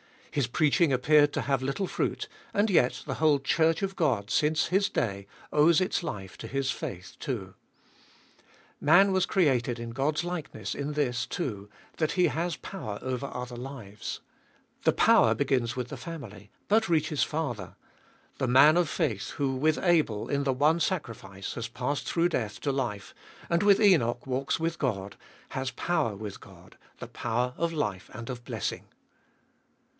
His preaching appeared to have little fruit, and yet the whole Church of God, since his day, owes its life to his faith too. Man was created in God's ttbe ibollest ot BU 435 likeness in this too, that he has power over other lives. The power begins with the family, but reaches farther. The man of faith who with Abel, in the one sacrifice, has passed through death to life, and with Enoch walks with God, has power with God, the power of life and of blessing.